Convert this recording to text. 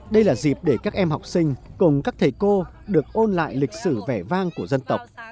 đây là dịp để các em học sinh cùng các thầy cô được ôn lại lịch sử vẻ vang của dân tộc